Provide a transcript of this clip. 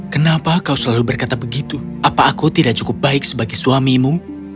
kenapa kau selalu berkata begitu apa aku tidak cukup baik sebagai suamimu